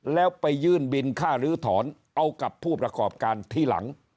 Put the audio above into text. แล้วไปยื่นบินค่าลื้อถอนเอากับผู้ประกอบการทีหลัง